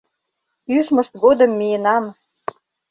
Ӱжмышт годым миенам.